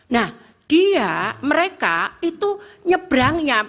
nah dia mereka itu nyebrangnya